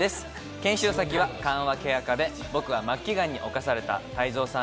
研修先は緩和ケア科で僕は末期がんに侵された泰造さん